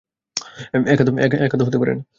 একা তো হতে পারে না।